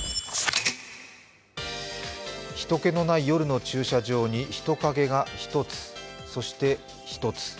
人けのない夜の駐車場に人影が１つまた１つ。